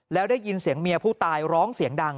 แล้วได้ยินเสียงเมียผู้ตายร้องเสียงดัง